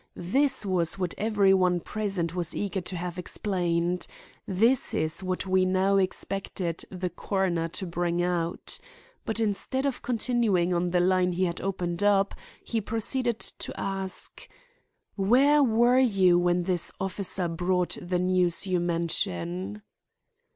This was what every one present was eager to have explained. This is what we now expected the coroner to bring out. But instead of continuing on the line he had opened up, he proceeded to ask: "Where were you when this officer brought the news you mention?"